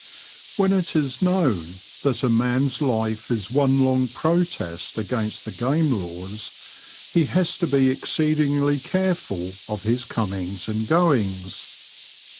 (fjO )HE^N^ it is known that a man's life is \\y one long protest against the Game Laws he has to be exceedingly care ful of his comings and goings.